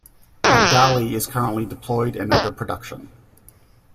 Abdali is currently deployed and under production.